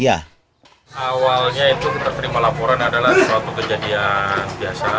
awalnya itu kita terima laporan adalah suatu kejadian biasa